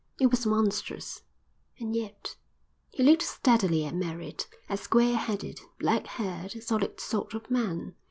It was monstrous. And yet— He looked steadily at Merritt; a square headed, black haired, solid sort of man.